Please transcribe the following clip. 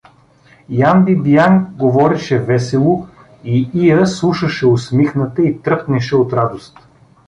Ян Бибиян говореше весело и Иа слушаше усмихната и тръпнеше от радост.